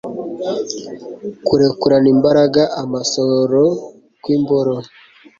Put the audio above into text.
kurekurana imbaraga amasohoro kw'imboro